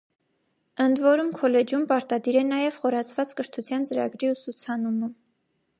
Ընդ որում քոլեջում պարտադիր է նաև խորացված կրթության ծրագրի ուսուցանումը։